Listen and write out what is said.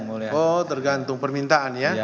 oh tergantung permintaan ya